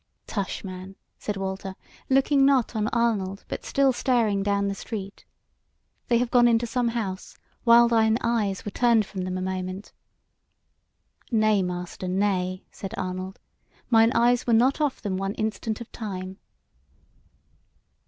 "Tush, man!" said Walter, looking not on Arnold, but still staring down the street; "they have gone into some house while thine eyes were turned from them a moment." "Nay, master, nay," said Arnold, "mine eyes were not off them one instant of time."